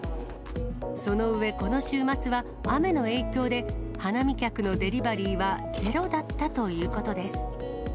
その上、この週末は雨の影響で、花見客のデリバリーはゼロだったということです。